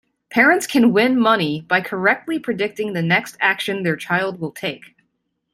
Parents can win money by correctly predicting the next action their child will take.